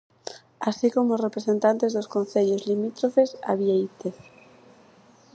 Así como os representantes dos concellos limítrofes a Biéitez.